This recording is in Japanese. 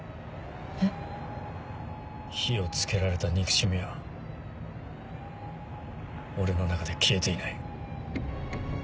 火を付けられた憎しみは俺の中で消えていない。